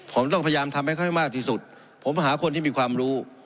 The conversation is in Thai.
ผมต้องพยายามทำให้เขาให้มากที่สุดผมหาคนที่มีความรู้